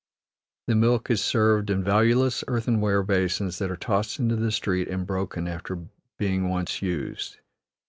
The milk is served in valueless earthenware basins that are tossed into the street and broken after being once used.